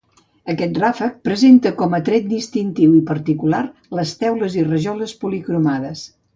Aquest ràfec presenta com a tret distintiu i particular les teules i rajoles policromades.